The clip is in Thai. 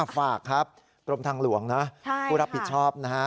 ฝากครับกรมทางหลวงนะผู้รับผิดชอบนะฮะ